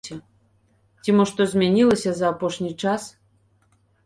Ці мо што змянілася за апошні час?